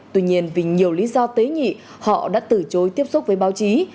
tuy nhiên vì nhiều lý do tế nhị họ đã từ chối tiếp xúc với báo chí